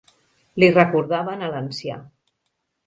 Li recordaven a l'ancià.